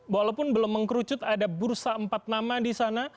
walaupun belum mengkerucut ada bursa empat nama di sana